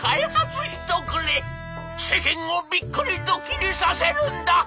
世間をビックリドッキリさせるんだ！」。